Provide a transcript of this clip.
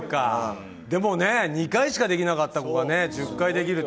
でも２回しかできなかった子が１０回できるって。